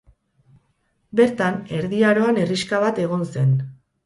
Bertan erdi aroan herrixka bat egon zen.